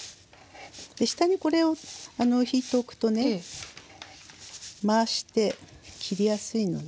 下にこれをひいておくとね回して切りやすいのね。